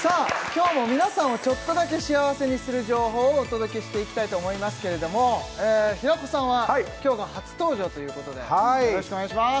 今日も皆さんをちょっとだけ幸せにする情報をお届けしていきたいと思いますけれども平子さんは今日が初登場ということでよろしくお願いします